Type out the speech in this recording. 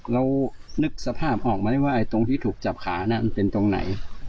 นึกสภาพออกไหมว่าตรงที่ถูกจับขาน่ะมันเป็นตรงไหน